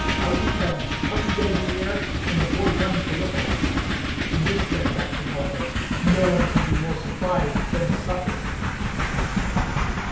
Out he comes, up he goes in the air, and the boy runs to look at him. In this transaction, however, no one can be more surprised than the sucker.